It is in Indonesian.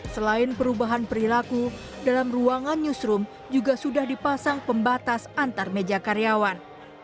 selain perubahan perilaku dalam ruangan newsroom juga sudah dipasang pembatas antar meja karyawan